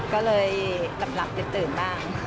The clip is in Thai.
ก็เลยหลับตื่นบ้าง